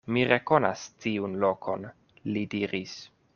Mi rekonas tiun lokon, li diris.